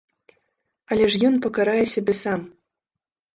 Але ж ён пакарае сябе сам.